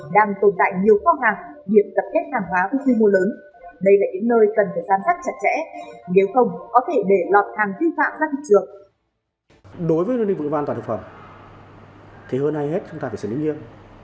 đang tồn tại nhiều kho hàng hiện tập kết hàng hóa của khu mua lớn